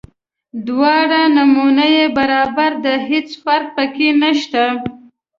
دواړه نومونه یې برابر دي هیڅ فرق په کې نشته.